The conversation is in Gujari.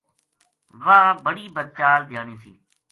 واہ بڑی بدچال دھیانی تھی